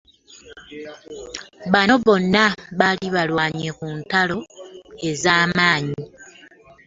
Bano bona baali balwanye ku ntalo ez'amaanyi.